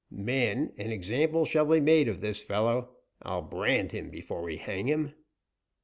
Men, an example shall be made of this fellow. I'll brand him before we hang him!"